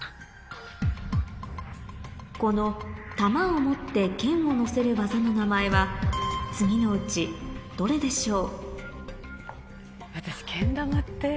この玉を持ってけんを乗せる技の名前は次のうちどれでしょう？